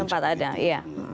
sempat ada iya